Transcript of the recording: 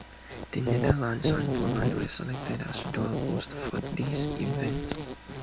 The Netherlands and Poland were selected as dual hosts for this event.